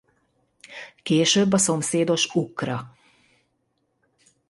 Később a szomszédos Ukkra.